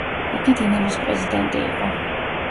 იგი დინამოს პრეზიდენტი იყო.